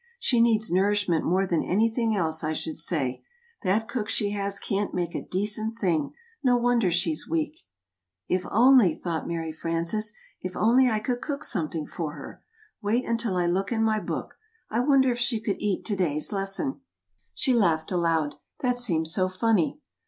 "She needs nourishment more than anything else, I should say. That cook she has can't make a decent thing. No wonder she's weak!" [Illustration: "Mary Ann Hooper is very ailing."] "If only," thought Mary Frances, "if only I could cook something for her! Wait until I look in my book. I wonder if she could eat to day's lesson." She laughed aloud that seemed so funny.